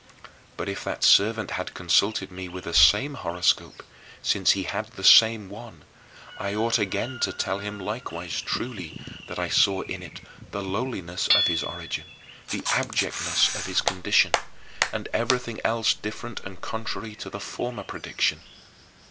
But if that servant had consulted me with the same horoscope, since he had the same one, I ought again to tell him likewise truly that I saw in it the lowliness of his origin, the abjectness of his condition, and everything else different and contrary to the former prediction.